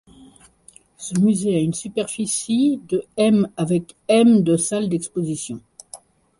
Ce musée a une superficie de m avec m de salles d'exposition.